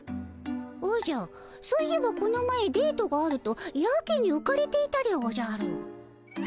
おじゃそういえばこの前デートがあるとやけにうかれていたでおじゃる。